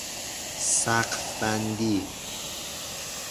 سقف بندی